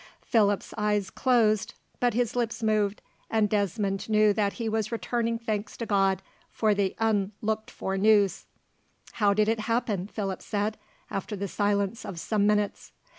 Philip's eyes closed, but his lips moved, and Desmond knew that he was returning thanks to God for this unlooked for news. "How did it happen?" Philip said, after a silence of some minutes.